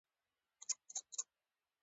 باید خپل کارکوونکي او مشتریان خبر کړي.